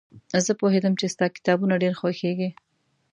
زه پوهېدم چې ستا کتابونه ډېر خوښېږي.